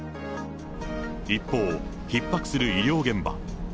一方、ひっ迫する医療現場。